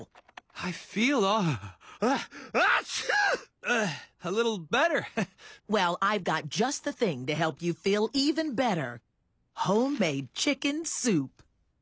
はい。